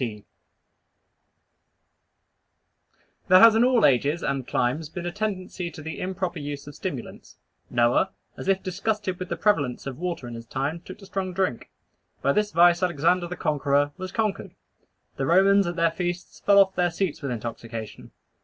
T.D.W.T.] There has in all ages and climes been a tendency to the improper use of stimulants. Noah, as if disgusted with the prevalence of water in his time, took to strong drink. By this vice Alexander the Conqueror was conquered. The Romans, at their feasts, fell off their seats with intoxication.